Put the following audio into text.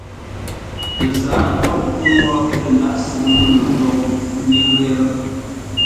Ə́ zǎa ntôʼ pə́ wó lə̂ ndághʼ sʉ́ŋ məno ntôʼ, ə́ mbíŋ lérə́.